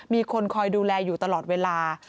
มีคนคอยดูแลอยู่ตลอดเวลา